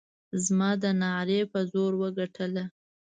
زما د نعرې په زور وګټله.